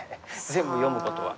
全部読むことは。